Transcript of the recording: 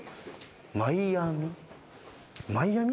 マイアミ。